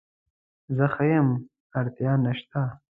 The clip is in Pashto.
زه ښه یم اړتیا نشته